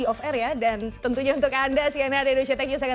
oke sampai jumpa di video selanjutnya